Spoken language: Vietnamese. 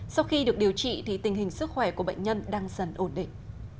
sau khi được điều trị thì tình hình sức khỏe của bệnh nhân đang dần ổn định